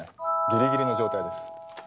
ギリギリの状態です。